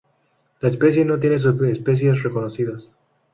La especie no tiene subespecies reconocidas.